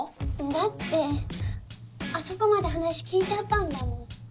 だってあそこまで話聞いちゃったんだもん